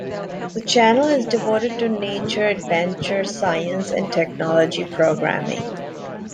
The channel is devoted to nature, adventure, science and technology programming.